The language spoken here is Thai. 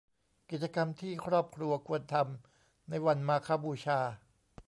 กิจกรรมที่ครอบครัวควรทำในวันมาฆบูชา